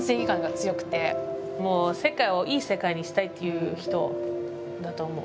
もう世界をいい世界にしたいっていう人だと思う。